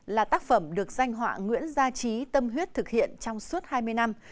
là tác phẩm được danh họa nguyễn gia trí tâm huyết thực hiện trong suốt hai mươi năm